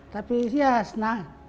tapi ya senang